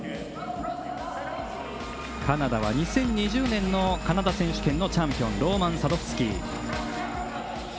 カナダは２０２０年のカナダ選手権のチャンピオンロマン・サドフスキー。